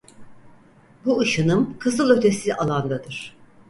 Bu ışınım kızılötesi alandadır.